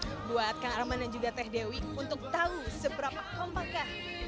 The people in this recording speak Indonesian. saya punya sedikit challenge buatkan arman dan juga teh dewi untuk tahu seberapa kompaknya